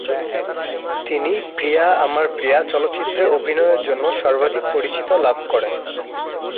তিনি "প্রিয়া আমার প্রিয়া" চলচ্চিত্রে অভিনয়ের জন্য সর্বাধিক পরিচিত লাভ করেন।।